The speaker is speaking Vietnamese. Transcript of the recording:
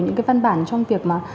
những cái văn bản trong việc mà